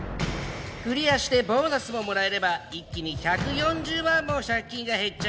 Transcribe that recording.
クリアしてボーナスももらえれば一気に１４０万も借金が減っちゃうよ！